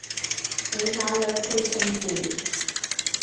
你那裡配姓趙